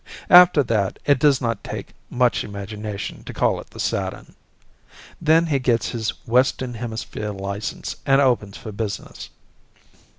After that, it does not take much imagination to call it the Saturn. Then he gets his Western Hemisphere license and opens for business.